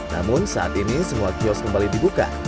namun saat ini semua kios kembali dibuka